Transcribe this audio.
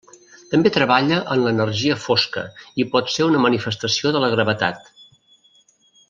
També treballa en l'energia fosca i pot ser una manifestació de la gravetat.